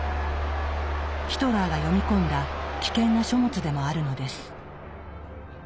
ヒトラーが読み込んだ危険な書物でもあるのです。